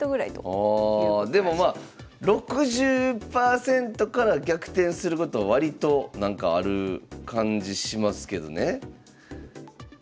ああでもまあ６０％から逆転すること割となんかある感じしますけどね。